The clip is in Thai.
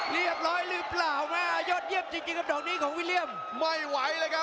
เรียบร้อยหรือเปล่าแม่ยอดเยี่ยมจริงครับดอกนี้ของวิลเลี่ยมไม่ไหวเลยครับ